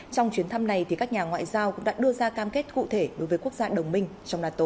trong chuyến thăm này các nhà ngoại giao cũng đã đưa ra cam kết cụ thể đối với quốc gia đồng minh trong nato